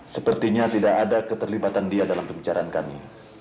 sepertinya tidak ada keterlibatan dia dalam pembicaraan kami